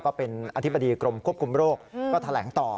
ก็เป็นอธิบดีกรมควบคุมโรคก็แถลงต่อ